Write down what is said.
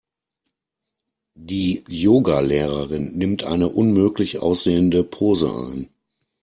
Die Yoga-Lehrerin nimmt eine unmöglich aussehende Pose ein.